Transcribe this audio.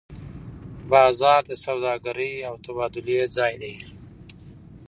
بازار د سوداګرۍ او تبادلې ځای دی.